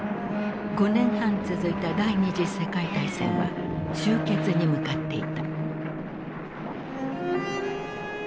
５年半続いた第二次世界大戦は終結に向かっていた。